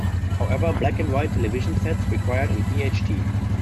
However, black and white television sets required an e.h.t.